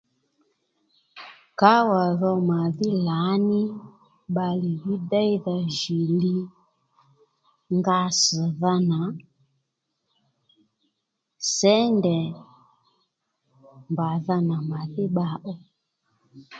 Kǎwà dho màdhí lǎní bbalè dhí déydha jì li nga ss̀dha nà, sěndè mbàdha nà màdhí bba ò